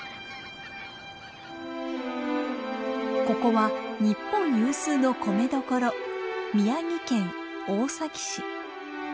ここは日本有数の米どころ宮城県大崎市。